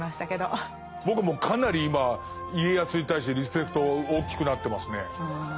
僕もかなり今家康に対してリスペクト大きくなってますね。